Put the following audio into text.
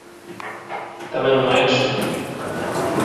Tamén no Éxodo.